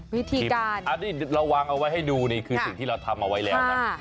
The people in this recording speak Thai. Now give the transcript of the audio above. วิธีการอันนี้เราวางเอาไว้ให้ดูนี่คือสิ่งที่เราทำเอาไว้แล้วนะ